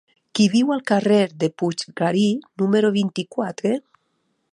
Qui viu al carrer de Puiggarí número vint-i-quatre?